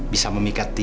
bisa memikat dia